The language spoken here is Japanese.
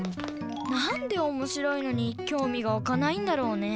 なんでおもしろいのにきょうみがわかないんだろうね？